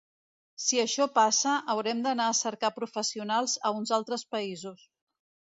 Si això passa, haurem d’anar a cercar professionals a uns altres països.